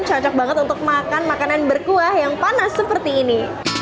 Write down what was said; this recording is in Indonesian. cocok banget untuk makan makanan berkuah yang panas seperti ini